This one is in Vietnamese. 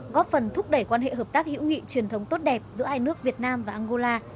góp phần thúc đẩy quan hệ hợp tác hữu nghị truyền thống tốt đẹp giữa hai nước việt nam và angola